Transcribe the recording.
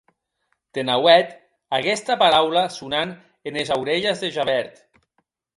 De nauèth aguesta paraula sonant enes aurelhes de Javert.